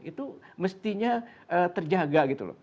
itu mestinya terjaga gitu loh